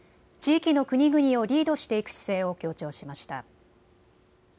地域の国々をリードしていく姿勢を強調しました。